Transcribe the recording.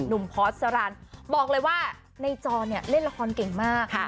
หนุ่มพอร์ตซาลันบอกเลยว่าในจอเนี่ยเล่นละครเก่งมาก